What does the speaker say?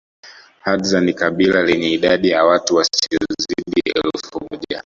Hadza ni kabila lenye idadi ya watu wasiozidi elfu moja